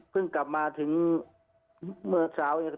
เพิ่งกลับมาถึงเมื่อเช้าตอนปี๔ครับ